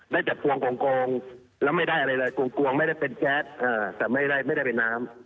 ได้แต่พวงโกงแล้วไม่ได้อะไรเลยกวงไม่ได้เป็นแก๊สแต่ไม่ได้เป็นน้ำ